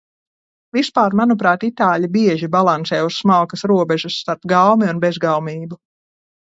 Vispār, manuprāt, itāļi bieži balansē uz smalkas robežas starp gaumi un bezgaumību.